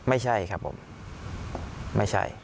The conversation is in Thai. ไม่ใช่ครับผมไม่ใช่